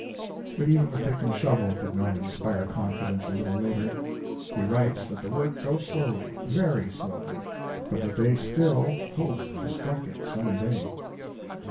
But even the pick and shovel did not inspire confidence a little later. He writes that the work goes slowly, very slowly, but that they still hope to strike it some day.